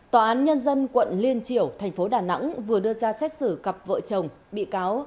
tòa án nhân dân quận liên triểu thành phố đà nẵng vừa đưa ra xét xử cặp vợ chồng bị cáo